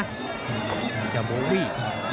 มันจะโบวี่